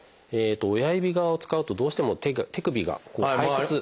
親指側を使うとどうしても手首がこう反発。